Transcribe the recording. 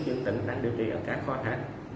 trong tỉnh đang điều trị ở các kho khác